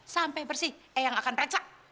sampai bersih eang akan recak